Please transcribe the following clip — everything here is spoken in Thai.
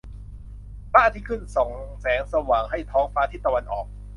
พระอาทิตย์ขึ้นส่องแสงสว่างให้ท้องฟ้าทิศตะวันออก